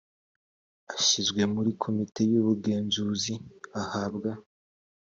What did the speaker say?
ushyizwe muri komite y ubugenzuzi ahabwa